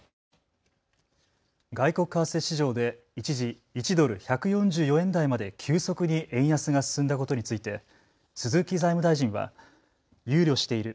外国為替市場で一時、１ドル１４４円台まで急速に円安が進んだことについて鈴木財務大臣は、憂慮している。